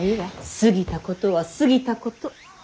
過ぎたことは過ぎたこと。